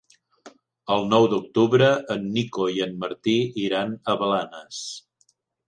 El nou d'octubre en Nico i en Martí iran a Blanes.